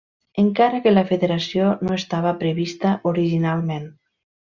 Encara que la federació no estava prevista originalment.